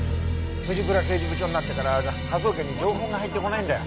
藤倉刑事部長になってから科捜研に情報が入ってこないんだよ。